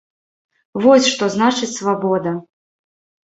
Вось, што значыць свабода.